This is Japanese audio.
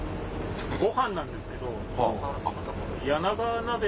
ごはんなんですけど。